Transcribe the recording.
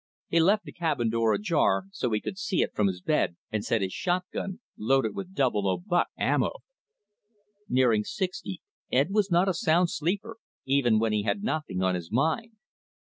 He left the cabin door ajar so he could see it from his bed and set his shotgun, loaded with 00 buck, handy. Nearing sixty, Ed was not a sound sleeper, even when he had nothing on his mind.